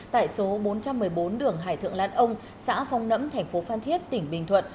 tại số bốn trăm một mươi bốn đường hải thượng lan ông xã phong nẫm thành phố phan thiết tỉnh bình thuận